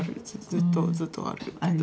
ずっとずっとあるけど。